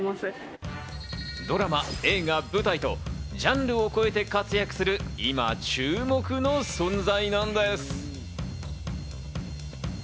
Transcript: ドラマ、映画、舞台とジャンルを超えて活躍する、今注目の存在なんです。